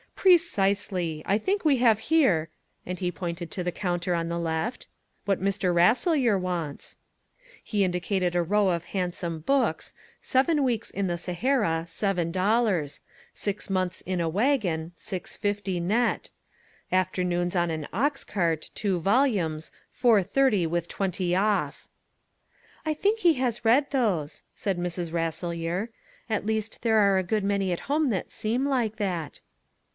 "Precisely. I think we have here," and he pointed to the counter on the left, "what Mr. Rasselyer wants." He indicated a row of handsome books "Seven Weeks in the Sahara, seven dollars; Six Months in a Waggon, six fifty net; Afternoons in an Oxcart, two volumes, four thirty, with twenty off." "I think he has read those," said Mrs. Rasselyer. "At least there are a good many at home that seem like that."